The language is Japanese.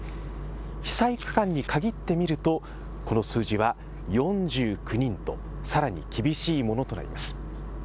被災区間に限って見るとこの数字は４９人とさらに厳しいものとなります。